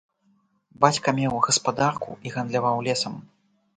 Бацька меў гаспадарку і гандляваў лесам.